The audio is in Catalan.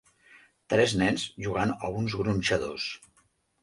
Tres nens jugant a uns gronxadors